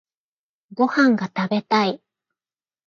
ご飯が食べたい。